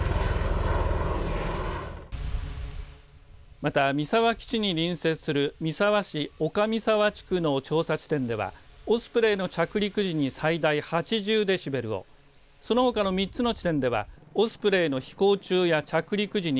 また、三沢基地に隣接する三沢市岡三沢地区の調査地点ではオスプレイの着陸時に最大８０デシベルをそのほかの３つの地点ではオスプレイの飛行中や着陸時に